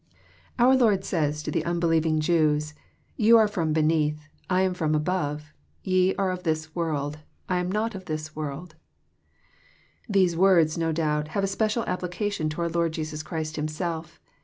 Our Lord says to the f JOHN, CHAP. vni. 89 tmbelieving Jews, —" Ye are from beneath, I am from above : ye are of this world, I am not of this world." These words, no doubt, have a special application to our Liord Jesus Christ Himself.